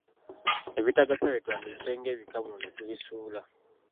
Ebitagasa bye twandiyise ng'ebikamulo ne tubisuula.